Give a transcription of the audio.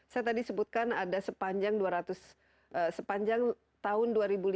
saya tadi sebutkan ada sepanjang dua ratus sepanjang tahun dua ribu lima belas